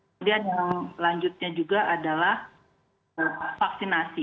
kemudian yang lanjutnya juga adalah vaksinasi